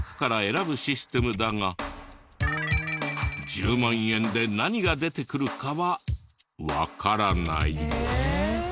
１０万円で何が出てくるかはわからない。